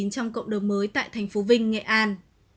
trong cộng đồng mới tại tp vinh nghệ an